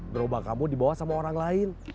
gerobak kamu dibawa sama orang lain